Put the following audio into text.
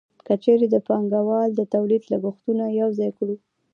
که چېرې د پانګوال د تولید لګښتونه یوځای کړو